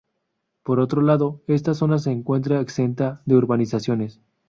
Por otro lado, esta zona se encuentra exenta de urbanizaciones.